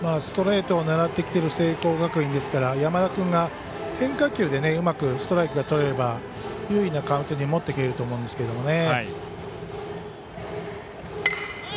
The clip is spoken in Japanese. ストレートを狙ってきている聖光学院ですから山田君が、変化球でうまくストライクがとれれば優位なカウントには持っていけるとは思うんですけど。